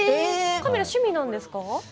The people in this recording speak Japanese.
カメラ、趣味なんですか？